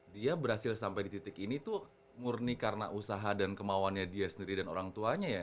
dia berhasil sampai di titik ini tuh murni karena usaha dan kemauannya dia sendiri dan orang tuanya ya